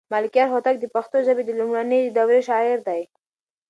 ملکیار هوتک د پښتو ژبې د لومړنۍ دورې شاعر دی.